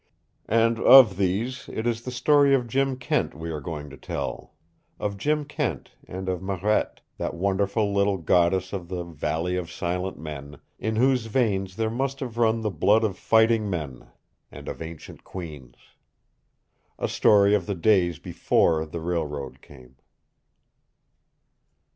And of these it is the story of Jim Kent we are going to tell, of Jim Kent and of Marette, that wonderful little goddess of the Valley of Silent Men, in whose veins there must have run the blood of fighting men and of ancient queens. A story of the days before the railroad came.